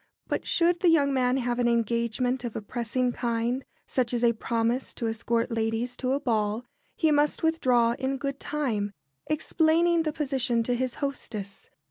But should the young man have an engagement of a pressing kind, such as a promise to escort ladies to a ball, he must withdraw in good time, explaining the position to his hostess.